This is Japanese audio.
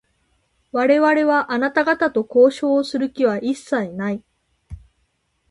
我々は、あなた方と交渉をする気は一切ない。